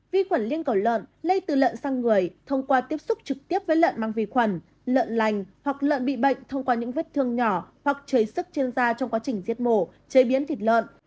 vi khuẩn liên cầu lợn lây từ lợn sang người thông qua tiếp xúc trực tiếp với lợn mang vi khuẩn lợn lành hoặc lợn bị bệnh thông qua những vết thương nhỏ hoặc chảy sức trên da trong quá trình giết mổ chế biến thịt lợn